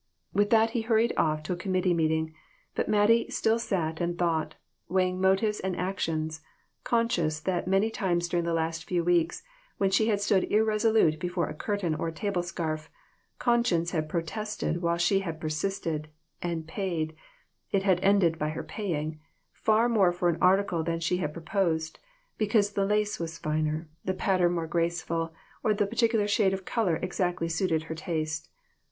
With that he hurried off to a committee meeting, but Mattie still sat and thought, weighing motives and actions, conscious that many times during the last few weeks, when she had stood irresolute before a curtain or a table scarf, conscience had protested while she had persisted, and paid it had ended by her paying far more for an article than she pur posed, because the lace was finer, the pattern more graceful, or the particular shade of color exactly suited her taste.